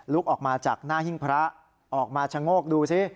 ออกมาจากหน้าหิ้งพระออกมาชะโงกดูสิ